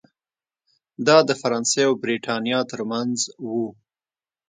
دا د فرانسې او برېټانیا ترمنځ و.